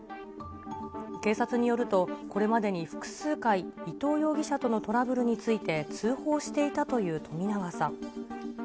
警察によると、これまでに複数回、伊藤容疑者とのトラブルについて通報していたという冨永さん。